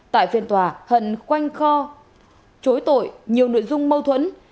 tại phiên tòa hận quanh kho chối tội nhiều nội dung mâu thuẫn